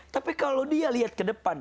tapi kalau dia lihat ke depan